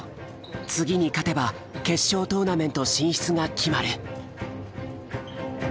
次に勝てば決勝トーナメント進出が決まる。